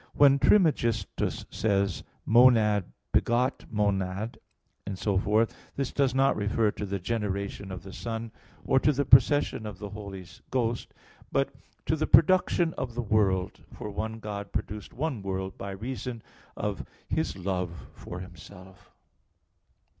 When Trismegistus says, "Monad begot monad," etc., this does not refer to the generation of the Son, or to the procession of the Holy Ghost, but to the production of the world. For one God produced one world by reason of His love for Himself.